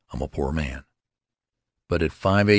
I'm a poor man." But at 5 a.